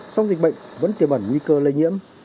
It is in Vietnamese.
song dịch bệnh vẫn tiềm ẩn nguy cơ lây nhiễm